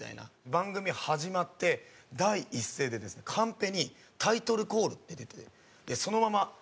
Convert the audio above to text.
番組始まって第一声でですねカンペに「タイトルコール」って出てそのまま「タイトルコール！」